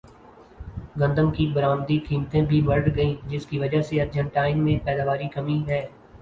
گندم کی برمدی قیمتیں بھی بڑھ گئیں جس کی وجہ سے ارجنٹائن میں پیداواری کمی ہے